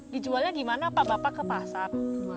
dijualnya gimana pak bapak ke pasar